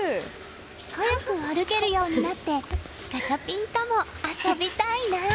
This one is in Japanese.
早く歩けるようになってガチャピンとも遊びたいな。